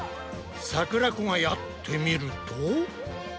さくらこがやってみると。